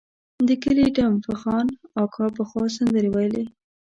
د کلي ډم فخان اکا پخوا سندرې ویلې.